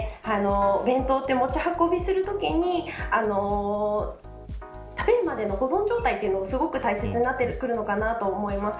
お弁当って持ち運びするときに食べるまでの保存状態がすごく大切になってくるのかなと思います。